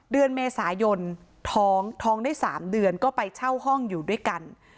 เดือนเมษายนท้องท้องได้๓เดือนก็ไปเช่าห้องอยู่ด้วยกัน